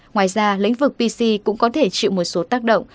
ngoài ra lĩnh vực pc cũng có thể chịu một số tác động